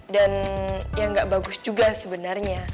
dan yang gak bagus juga sebenarnya